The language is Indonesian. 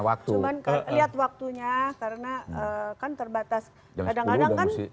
kadang kadang kan penyanyi kadang kadang